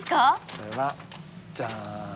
それはじゃん！